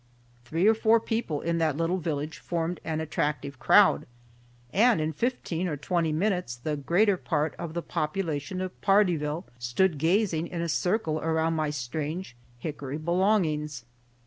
Three or four people in that little village formed an attractive crowd, and in fifteen or twenty minutes the greater part of the population of Pardeeville stood gazing in a circle around my strange hickory belongings.